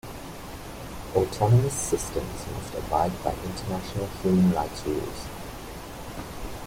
Autonomous systems must abide by international human rights rules.